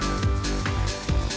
iya gak sih